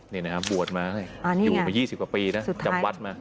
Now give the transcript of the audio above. นี่นะครับบวชมาอยู่มา๒๐กว่าปีนะจำวัดมา